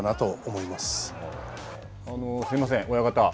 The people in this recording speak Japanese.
すいません、親方。